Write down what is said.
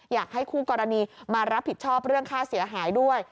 อยากให้คู่กรณีมารับผิดชอบเรื่องค่าเสียหายด้วย